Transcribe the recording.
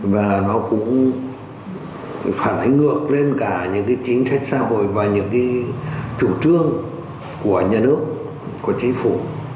và nó cũng phản ánh ngược lên cả những cái chính sách xã hội và những cái chủ trương của nhà nước của chính phủ